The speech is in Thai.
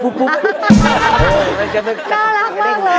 น่ารักมากเลย